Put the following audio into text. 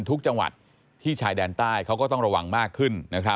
ทุกจังหวัดที่ชายแดนใต้เขาก็ต้องระวังมากขึ้น